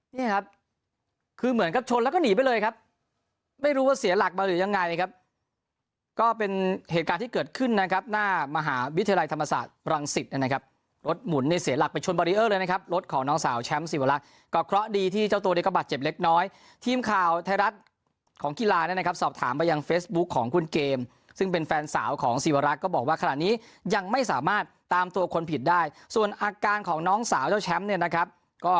นี่ครับคือเหมือนกับชนแล้วก็หนีไปเลยครับไม่รู้ว่าเสียหลักมาหรือยังไงครับก็เป็นเหตุการณ์ที่เกิดขึ้นนะครับหน้ามหาวิทยาลัยธรรมศาสตร์รังสิตนะครับรถหมุนในเสียหลักไปชนบรีเออร์เลยนะครับรถของน้องสาวแชมป์สีวรักษณ์ก็เคราะห์ดีที่เจ้าตัวนี่ก็บาดเจ็บเล็กน้อยทีมข่าวไทยรัฐของก